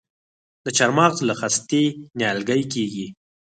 د چهارمغز له خستې نیالګی کیږي؟